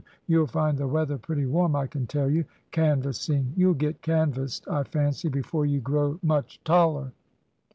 you'll find the weather pretty warm, I can tell you. Canvassing? You'll get canvassed, I fancy, before you grow much taller."